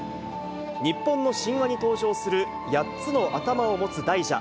日本の神話に登場する８つの頭を持つ大蛇。